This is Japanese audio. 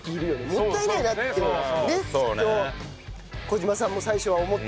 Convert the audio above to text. もったいないなってきっと小島さんも最初は思ったでしょう。